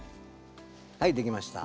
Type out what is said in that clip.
はいできました。